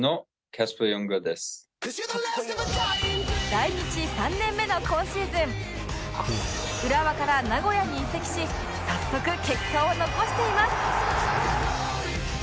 来日３年目の今シーズン浦和から名古屋に移籍し早速結果を残しています